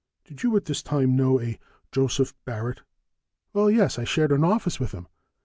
Did you at this time know a Joseph Barrett?" "Well, yes, I shared an office with him."